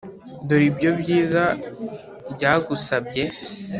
ndore ibyo byiza byagusabye »